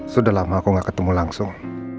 sudah lama aku gak ketemu langsung